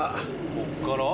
こっから？